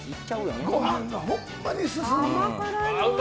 ご飯がほんまに進む。